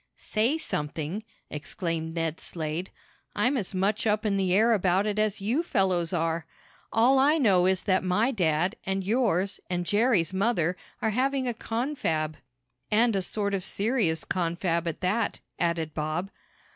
"Say something!" exclaimed Ned Slade. "I'm as much up in the air about it as you fellows are. All I know is that my dad, and yours, and Jerry's mother, are having a confab." "And a sort of serious confab at that," added Bob.